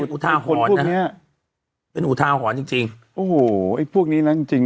อุทาหรณ์นะฮะเป็นอุทาหรณ์จริงจริงโอ้โหไอ้พวกนี้นะจริงจริง